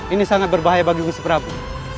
ini sangat berbahaya bagi wisu prabu